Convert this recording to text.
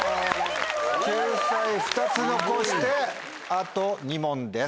救済２つ残してあと２問です。